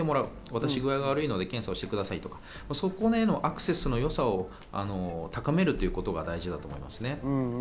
私、具合が悪いので検査してくださいと、そこへのアクセスのよさを高めるということが大事だと思います。